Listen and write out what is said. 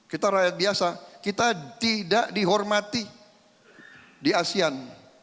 kita rakyat biasa kita tidak dihormati di asean